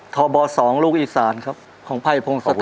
ทบ๒ลูกอีสานครับของไพ่พงศัก